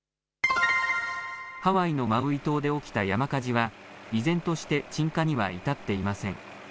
ハワイのマウイ島で起きた山火事は依然として鎮火には至っていません。